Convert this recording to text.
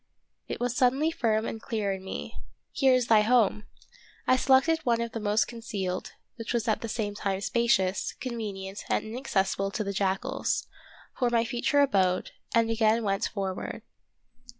It was suddenly firm and clear in me, — here is thy home ! I selected one of the most concealed, which was at the same time spacious, convenient, and inaccessible to the jackals, for my future abode, and again went forward.